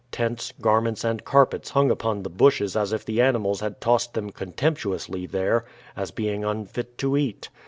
Tents, garments, and carpets hung upon the bushes as if the animals had tossed them contemptuously there as being unfit to eat.